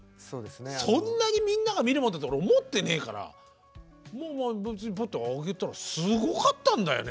そんなにみんなが見るものだと俺思ってねえから別にぷっと上げたらすごかったんだよね